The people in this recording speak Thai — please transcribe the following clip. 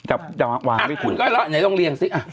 อาถคุณก็เอาล่ะยังต้องเรียงสิ